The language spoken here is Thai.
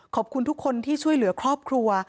ขอบคุณทุกคนที่ช่วยเหลือครอบครัว